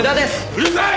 うるさい！